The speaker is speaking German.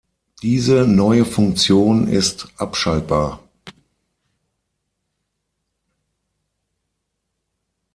Diese neue Funktion ist abschaltbar.